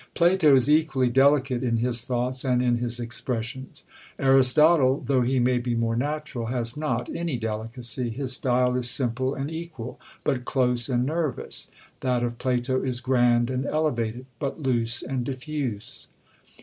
Plato is equally delicate in his thoughts and in his expressions. Aristotle, though he may be more natural, has not any delicacy: his style is simple and equal, but close and nervous; that of Plato is grand and elevated, but loose and diffuse.